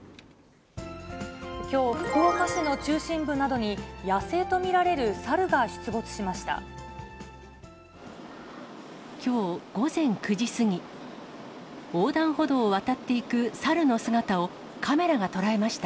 きょう、福岡市の中心部などに、野生と見られる猿が出没しました。